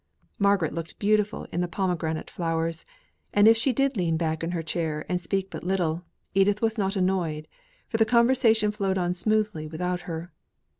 Margaret looked beautiful in the pomegranate flowers; and if she did lean back in her chair and speak but little, Edith was not annoyed, for the conversation flowed on smoothly without her.